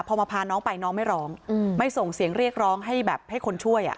พอมาพาน้องไปน้องไม่ร้องไม่ส่งเสียงเรียกร้องให้แบบให้คนช่วย